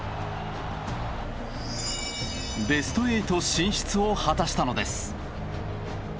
ベスト８進出を果たしたのです。